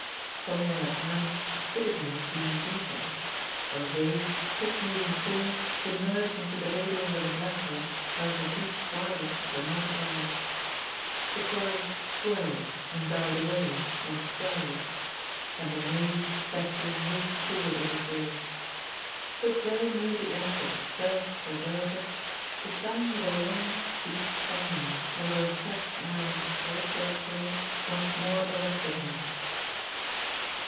Somewhere at hand a citizen was being beaten, for vague, quick moving forms emerged into the radiance of his lanthorn out of the deep violet of the night air. The cries swelled, and died away, and swelled; and the mazed Cethru moved forward on his way. But very near the end of his first traversage, the sound of a long, deep sighing, as of a fat man in spiritual pain, once more arrested him.